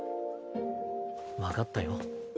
分かったよ。